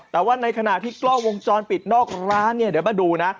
แต่ว่าในขณะที่กล้องวงจรปิดนอกของร้านเนี่ยเดี๋ยวมาดูนะ